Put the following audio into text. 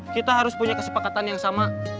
kita harus punya kesepakatan yang sama